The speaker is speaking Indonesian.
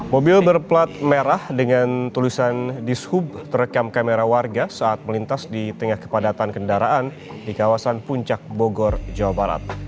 mobil berplat merah dengan tulisan dishub terekam kamera warga saat melintas di tengah kepadatan kendaraan di kawasan puncak bogor jawa barat